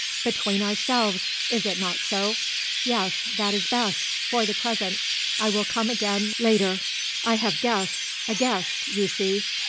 Between ourselves; is it not so? Yes; that is best. For the present. I will come again, later I have guests, a guest, you see.